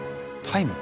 タイム？